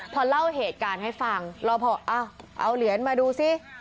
พอเล่าเหตุการณ์ให้ฟังเราพอเอาเหรียญมาดูซิ